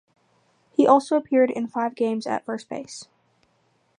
He also appeared in five games at first base.